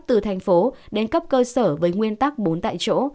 từ thành phố đến cấp cơ sở với nguyên tắc bốn tại chỗ